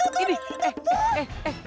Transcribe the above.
ini eh eh eh